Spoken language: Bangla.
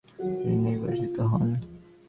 তিনি নির্বাচিত হন।